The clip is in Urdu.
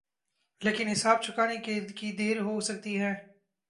لیکن حساب چکانے کی دیر ہو سکتی ہے۔